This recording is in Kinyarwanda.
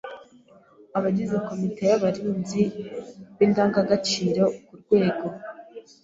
Abagize komite y’abarinzi b’indangagaciro ku rwego